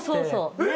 えっ！